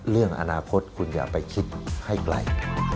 เรื่องอนาคตคุณอย่าไปคิดให้ไกล